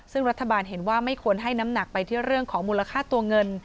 ซึ่งรัฐบาลเห็นว่าไม่ควรให้น้ำหนักไปที่เรื่องของมูลค่าตัวเงิน